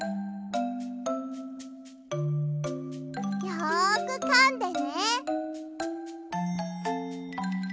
よくかんでね。